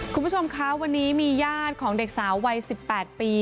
คุณผู้ชมคะวันนี้มีญาติของเด็กสาววัย๑๘ปี